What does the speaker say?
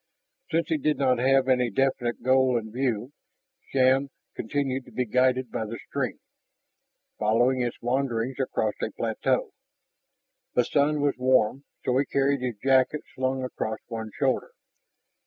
Since he did not have any definite goal in view, Shann continued to be guided by the stream, following its wanderings across a plateau. The sun was warm, so he carried his jacket slung across one shoulder.